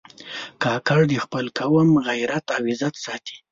کاکړي د خپل قوم غیرت او عزت ساتي.